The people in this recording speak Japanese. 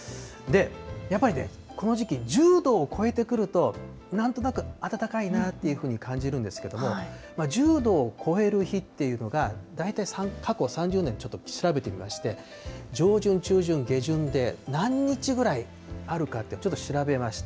やっぱりね、この時期、１０度を超えてくると、なんとなく暖かいなっていうふうに感じるんですけれども、１０度を超える日っていうのが、大体過去３０年、ちょっと調べてみまして、上旬、中旬、下旬で何日ぐらいあるかって、ちょっと調べました。